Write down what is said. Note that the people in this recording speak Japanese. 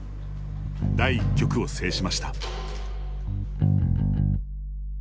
第一局を制しました。